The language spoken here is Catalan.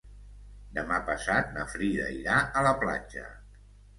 Demà passat na Frida irà a la platja.